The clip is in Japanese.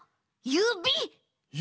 ゆび！？